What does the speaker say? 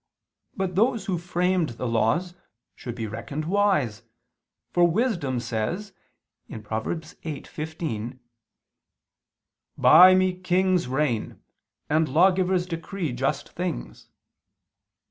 But those who framed the laws should be reckoned wise: for Wisdom says (Prov. 8:15): "By Me kings reign, and lawgivers decree just things."